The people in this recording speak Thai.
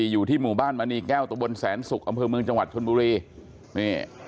อยู่ที่หมู่บ้านมณีแก้วตะบนแสนศุกร์อำเภอเมืองจังหวัดชนบุรีนี่